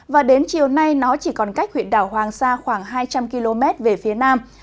và đến chiều nay nó chỉ còn cách huyện đảo hoàng sa khoảng hai trăm linh km về phía nam